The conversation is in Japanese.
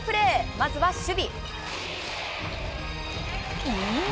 まずは守備。